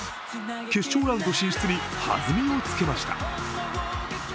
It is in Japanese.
決勝ラウンド進出に弾みをつけました。